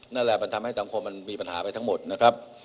นั่นแหละมันทำให้สังคมมันมีปัญหาไปทั้งหมดนะครับ